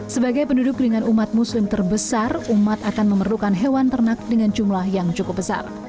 sebagai penduduk dengan umat muslim terbesar umat akan memerlukan hewan ternak dengan jumlah yang cukup besar